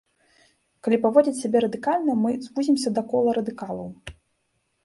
Калі паводзіць сябе радыкальна, мы звузімся да кола радыкалаў.